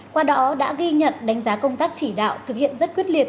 qua đó đã ghi nhận đánh giá công tác chỉ đạo thực hiện rất quyết liệt